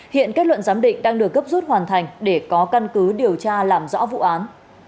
hiện kết luận giám định đang được cấp rút hoàn thành để có căn cứ điều tra làm rõ vụ án